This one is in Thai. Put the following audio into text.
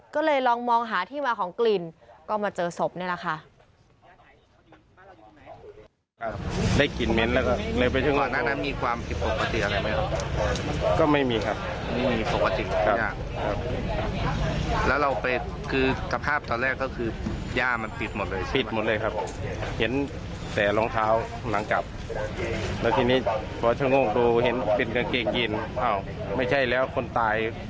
ก็เลยลองมองหาที่มาของกลิ่นก็มาเจอศพนี่แหละค่ะ